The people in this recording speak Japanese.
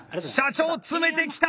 社長詰めてきた！